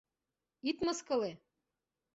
Ит мыскыле!